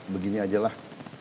begini aja lah